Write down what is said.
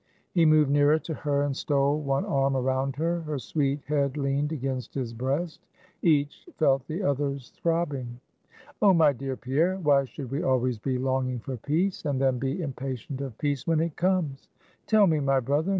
He moved nearer to her, and stole one arm around her; her sweet head leaned against his breast; each felt the other's throbbing. "Oh, my dear Pierre, why should we always be longing for peace, and then be impatient of peace when it comes? Tell me, my brother!